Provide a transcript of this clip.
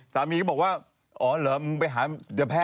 สามีก็บอกว่าอ๋อเหรอมึงไปหาแพทย์เถอะ